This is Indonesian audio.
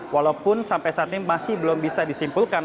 walaupun sampai saat ini masih belum bisa disimpulkan